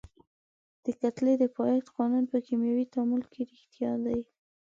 د کتلې د پایښت قانون په کیمیاوي تعامل کې ریښتیا دی.